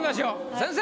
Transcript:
先生！